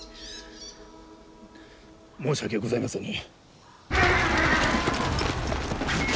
申し訳ございません。